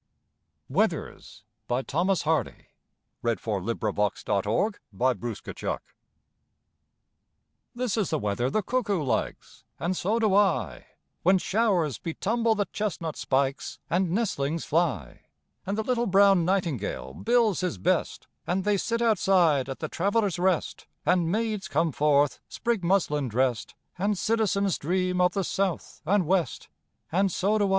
more. JM Embroideries & Collectibles Weathers By Thomas Hardy I This is the weather the cuckoo likes, And so do I; When showers betumble the chestnut spikes, And nestlings fly: And the little brown nightingale bills his best, And they sit outside at "The Travellers' Rest," And maids come forth sprig muslin drest, And citizens dream of the south and west, And so do I.